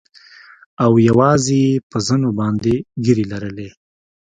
او يوازې يې پر زنو باندې ږيرې لرلې.